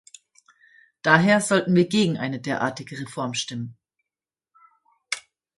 Daher sollten wir gegen eine derartige Reform stimmen.